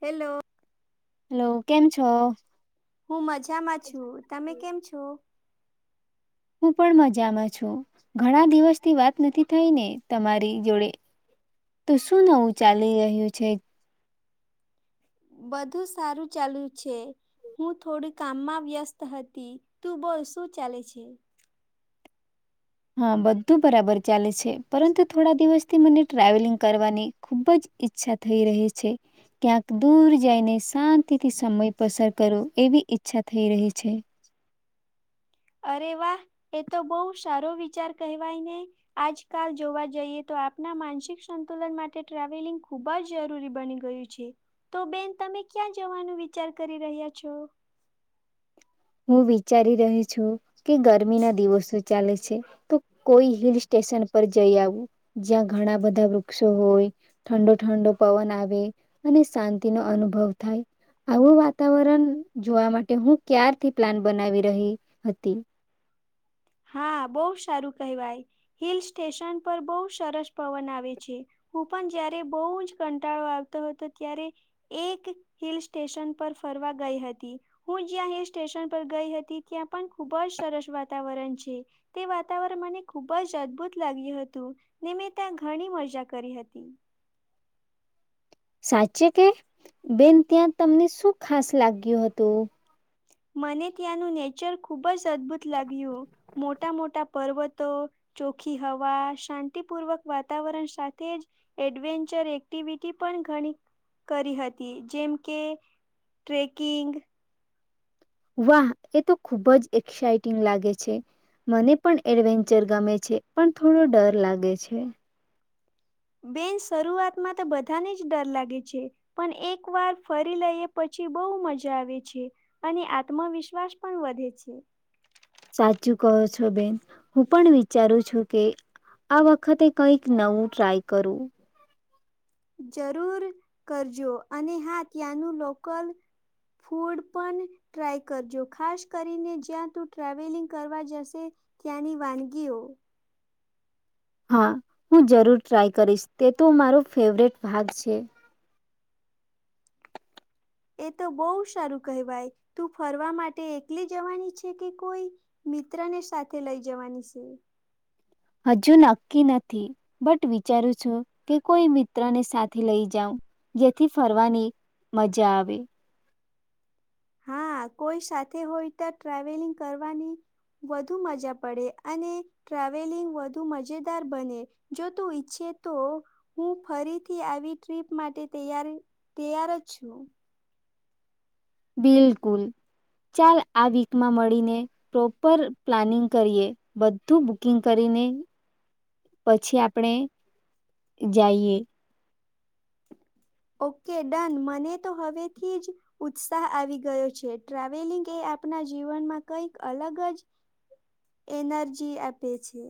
Hello. Hello. કેમ છો? હું મજ જામાં છું, તમે કેમ છો? હું પણ મજામાં છું. ઘણા દિવસથી વાત નથી થઈ ને તમારી જોડે. તો શું નવું ચાલી રહ્યું છે? બધુ સારું ચાલુ છે. હું થોડી કામમાં વ્યસ્ત હતી, તું બોલ શું ચાલે છે? હા બધું બરાબર ચાલે છે પરંતુ થોડા દિવસથી મને ટ્રાવેલિંગ કરવાની ખૂબ જ ઈચ્છા થઈ રહી છે, ક્યાંક દૂર જઈને શાંતિથી સમય પસાર કરો એવી ઈચ્છા થઈ રહી છે. અરે વાહ, એ તો બહુ સારો વિચાર કહેવાય ને, આજકાલ જોવા જઈએ તો આપના માનસિક સંતુલન માટે ટ્રાવેલિંગ ખુબ જ જરૂરી બની ગયું છે, તો બેન તમે ક્યાં જવાનું વિચાર કરી રહ્યા છો? હું વિચારી રહી છું કે ગરમી ના દિવસો ચાલે છે, તો કોઈ હિલ સ્ટેશન પર જઈ આવું જ્યાં ઘણા બધા વૃક્ષો હોય, ઠંડો ઠંડો પવન આવે, અને શાંતિનો અનુભવ થાય આવું વાતાવરણ જોવા માટે હું ક્યાર થી પ્લાન બનાવી રહી હતી. હા બહુ સારું કહેવાય, હિલ સ્ટેશન પર બહુ સરસ પવન આવે છે, હું પણ જયારે બહુ જ કંટાળો આવતો હતો ત્યારે એક હિલ સ્ટેશન પર ફરવા ગઈ હતી, હું જ્યાં હિલ સ્ટેશન પર ગઈ હતી ત્યાં પણ ખુબ જ સરસ વાતાવરણ છે. તે વાતાવરણ મને ખૂબ જ અદભુત લાગ્યું હતું, ને મેં ત્યાં ઘણી મજા કરી હતી. સાચે કે, બેન ત્યાં તમને શું ખાસ લાગ્યું હતું? મને ત્યાંનું નેચર ખુબ ઉપ અદભુત લાગ્યું. મોટા મોટા પર્વતો, ચોખી હવા શાંતિપૂર્વક વાતાવરણ સાથે જ, એડવેન્ચર એક્ટિવિટી પણ ઘણી કરી હતી જેમ કે ટ્રેકિંગ. વાહ એ તો ખુબ જ એક્સાઈટિંગ લાગે છે, મને પણ એડવેન્ચર ગમે છે પણ થોડો ડર લાગે છે. બેન શરૂઆતમાં તો બધાને જ ડર લાગે છે, પણ એક વાર ફરી લઈએ પછી બહુ મજા આવે છે, અને આત્મવિશ્વાસ પણ વધે છે. સાચું કહો છો બેન, હું પણ વિચારું છું કે આ વખતે કંઈક નવું ટ્રાય કરું. જરૂર કરજો અને હા ત્યાંનું લોકલ, ફૂડ પણ ટ્રાય કરજો ખાસ કરીને જ્યાં તું ટ્રાવેલિંગ કરવા જશે ત્યાંની વાનગીઓ. હા હું જરૂર ટ્રાય કરીશ તે તો મારો ફેવરેટ ભાગ છે. એ તો બહ સારું કહેવાય તું ફરવા માટે એકલી જવાની છે કે કોઈ મિત્રને સાથે લઈ જવાની છે. હજુ નક્કી નથી બટ વિચારું છું કે કોઈ મિત્રને સાથે લઈ જાવ, જેથી ફરવાની મજા આવે. હા કોઈ સાથે હોય તો ટ્રાવેલિંગ કરવાની, વધુ મજા પડે અને ટ્રાવેલિંગ વધુ મજેદાર બને, જો તું ઈચ્છે તો હું ફરીથી આવી ટ્રીપ માટે તૈય તૈયાર જ છું. બિલકુલ, ચાલ આ વીકમાં મળીને પ્રોપર પ્લાનિંગ કરીએ, બધું બુકિંગ કરીને પછી આપણે જઈએ. ઓકે ડન મને તો હવેથી જ ઉત્સાહ આવી ગયો છે ટ્રાવેલિંગ એ આપના જીવનમાં કંઈક અલગ જ એનર્જી આપે છે.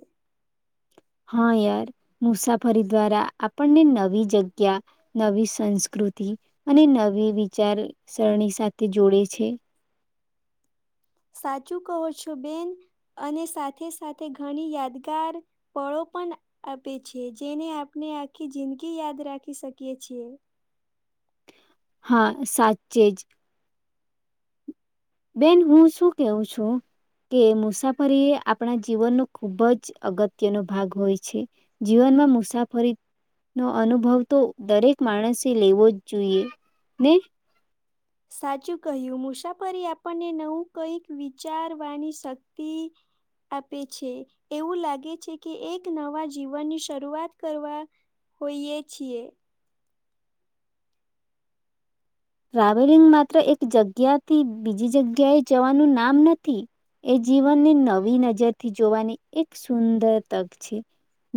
હા યાર મુસાફરી દ્વારા આપણને નવી જગ્યા, નવી સંસ્કૃતિ અને નવી વિચારસરણી સાથે જોડે છે. સાચું કહો છો બેન, અને સાથે સાથે ઘણી યાદગાર પળો પણ આપે છે જેને આપણે આખી જિંદગી યાદ રાખી શકીએ છીએ. હા સાચચે જ. બેન હું શું કવું છું, કે મુસાફરી એ આપણા જીવનનો ખૂબ જ અગત્યનો ભાગ હોય છે, જીવનમાં મુસાફરીનો અનુભવ તો દરેક માણસે લેવો જ જોઈએ ને. સાચું કહ્યું મુસાફરી આપણને નવું કંઈક વિચારવાની શક્તિ આપે છે. એવું લાગે છે કે એક નવા જીવનની શરૂઆત કરવા હોઈએ છીએ. ટ્રાવેલિંગ માત્ર એક જગ્યાથી બીજી જગ્યાએ જવાનું નામ નથી. એ જીવનને નવી નજરથી જોવાની એક સુંદર તક છે.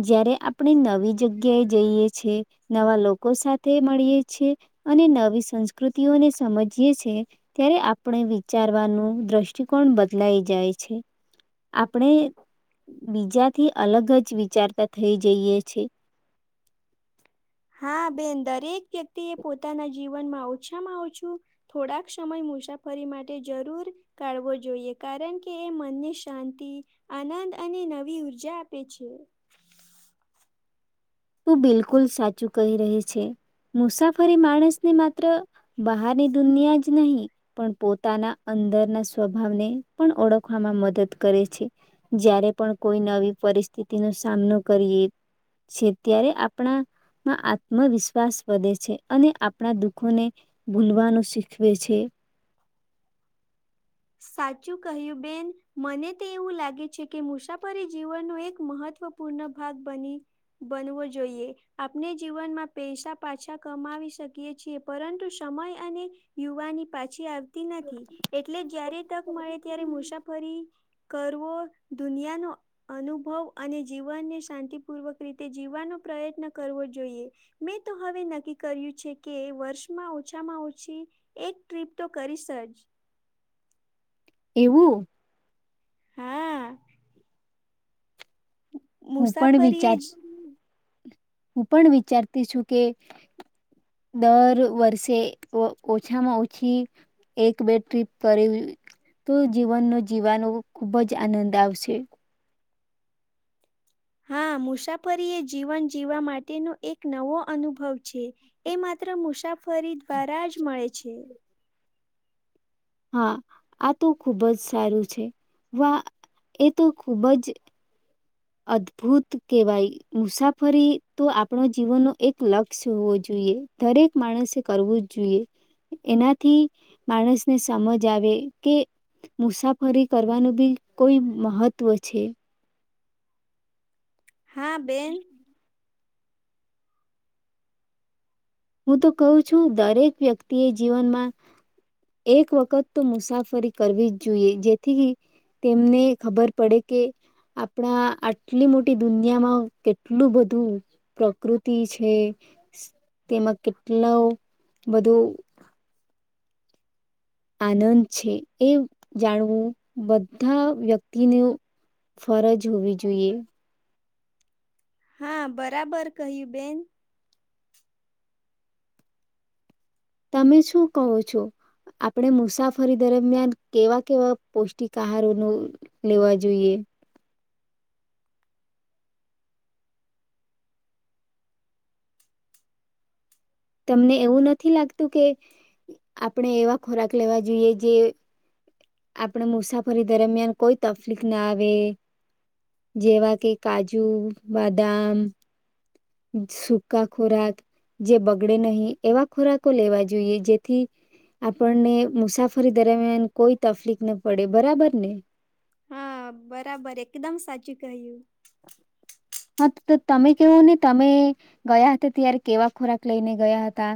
જ્યારે આપણે નવી જગ્યાએ જઈએ છે નવા લોકો સાથે મળીએ છીએ અને નવી સંસ્ પ્રકૃતિઓને સમજીય છે ત્યારે આપણે વિચારવાનું દ્રષ્ટિકોણ બદલાઈ જાય છે. આપણે બીજાથી અલગ જ વિચારતા થઈ જઈએ છે. હા બેન દરેક વ્યક્તિ એ પોતાના જીવનમાં ઓછામાં ઓછું થોડાક સમય મુસાફરી માટે જરૂર કાઢવો જોઈએ. કારણ કે એ મનને શાંતિ, આનંદ અને નવી ઉર્જા આપે છે. તું બિલકુલ સાચું કહી રહી છે. મુસાફરી માણસને માત્ર બહારની દુનિયા જ નહીં પણ પોતાના અંદરના સ્વભાવને પણ ઓળખવામાં મદદ કરે છે. જ્યારે પણ કોઈ નવી પરિસ્થિતિનો સામનો કરીએ છે. ત્યારે આપણામાં આત્મવિશ્વાસ વધે છે અને આપણા દુઃખોને ભૂલવાનું શીખવે છે. સાચું કહ્યું, બેન મને તો એવું લાગે છે કે મુસાફરી જીવનનો એક મહત્વપૂર્ણ ભાગ બની બનવો જોઈએ. આપણે જીવનમાં પૈસા પાછા કમાવી શકીએ છીએ પરંતુ સમય અને યુવાની પાછી આવતી નથી એટલે જયારે મળે ત્યારે મુસાફરી કરવો, દુનિયાનો અનુભવ અને જીવનને શાંતિપૂર્વક રીતે જીવવાનો પ્રયત્ન કરવો જોઈએ. મેં તો હવે નક્કી કર્યું છે કે વર્ષમાં ઓછામાં ઓછી એક ટ્રીપ તો કરીશ જ. એવું. હા. હું પણ મુસાફરીએ વિચાર જ હું પણ વિચારતી છું કે દર વર્ષે ઓછામાં ઓછી એક બે ટ્રીપ કર તો જીવનનો જીવાનો ખુબ જ આનંદ આવશે. હા મુસાફરી એ જીવન જીવવા માટેનો એક નવો અનુભવ છે. એ માત્ર મુસા ફરી દ્વારા જ મળે છે. હા આ તો ખુબ જ સારું છે. વા એ તો ખુબ જ અદભુત કહેવાય. મુસાફરી તો આપણો જીવનનો એક લક્ષ્ય હોવો જોઈએ. દરેક માણસે કરવું જ જોઈએ એનાથી માણસને સમજ આવે કે મુસાફરી કરવાનું બી કોઈ મહત્વ છે. હા બેન. હું તો કહું છું દરેક વ્યક્તિ એ જીવનમાં એક વખત તો મુસાફરી કરવી જ જોઈએ. જેથી તેમને ખબર પડે કે આપણા આટલી મોટી દુનિયામાં કેટલું બધું પ્રકૃતિ છે તેમાં કેટલા બધું આનંદ છે. એ જાણવું બધા વ્યક્તિને ફરજ હોવી જોઈએ. હા, બરાબર કહ્યું બેન. તમે શું કહો છો? આપણે મુસાફરી દરમિયાન કેવા કેવા પૌષ્ટિક આહારો ન લેવા જોઈએ. તમને એવું નથી લાગતું કે આપણે એવા ખોરાક લેવા જોઈએ જે આપણે મુસાફરી દરમિયાન કોઈ તફલીક ના આવે જેવા કે કાજુ, બદામ સૂકા ખોરાક જે બગડે નહીં એવા ખોરાકો લેવા જોઈએ, જેથી આપણને મુસાફરી દરમિયાન કોઈ તફલીક ન પડે બરાબર ને. હા, બરાબર, એકદમ સાચું કહ્યું. હા તો તો તમે કેવો ને તમે ગયા હતા ત્યારે કેવા ખોરાક લઈને ગયા હતા.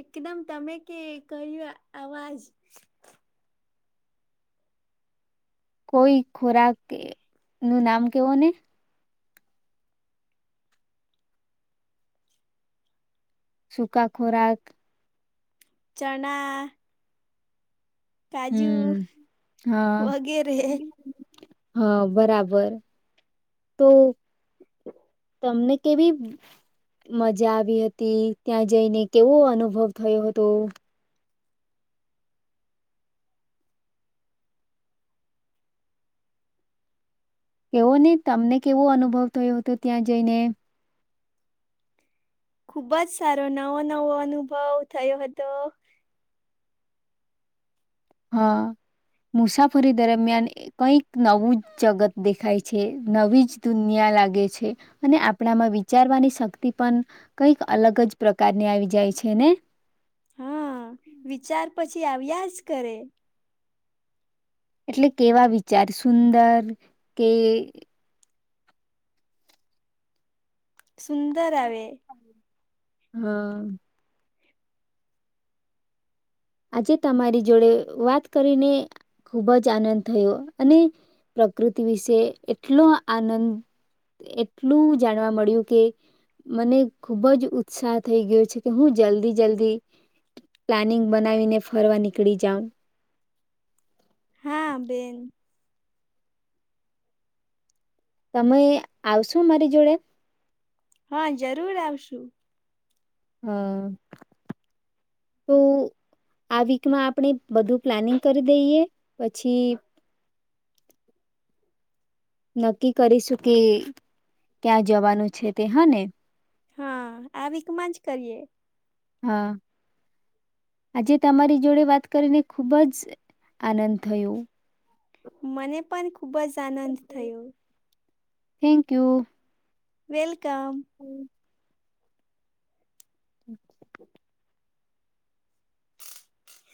એકદમ તમે કે કર્યું અવાજ કોઈ ખોરાક નું નામ કેવો ને. સુકા ખોરાક ચણા કાજુ હમ હા વગેરે હા, બરાબર, તો તમને કેવી મજા આવી હતી ત્યાં જઈને કેવો અનુભવ થયો હતો? એવુ નઈ તમને કેવો અનુભવ થયો હતો ત્યાં જઈને? ખુબજ સારો નવો નવો અનુભવ થયો હતો. હા, મુસાફરી દરમિયાન કંઈક નવું જ જગત દેખાય છે નવી જ દુનિયા લાગે છે અને આપણામાં વિચારવાની શક્તિ પણ કંઈક અલગ જ પ્રકારની આવી જાય છે ને. હા, વિચાર પછી આવ્યા જ કરે. એટલે કેવા વિચાર સુંદર કે સુંદર આવે. હાં. આજે તમારી જોડે વાત કરીને ખુબ જ આનંદ થયો અને પ્રકૃતિ વિશે એટલો આનંદ એટલું જાણવા મળ્યું કે મને ખુબ જ ઉત્સાહ થઈ ગયો છે કે હું જલ્દી જલ્દી પ્લાનિંગ બનાવીને ફરવા નીકળી જાઉ. હા, બેન. તમે આવશો મારી જોડે? હા જરૂર આવશું. હ અ તો આ વીકમાં આપણે બધું પ્લાનિંગ કરી દઈએ, પછી નક્કી કરીશું, કે ક્યાં જવાનું છે તે હં ને? હાં, આ વીકમાં જ કરીએ. હા, આજે તમારી જોડે વાત કરીને ખુબ જ સ આનંદ થયો મને પન ખૂબ જ આનંદ થયુ. Thank you. વેલકમ. હમ્મ.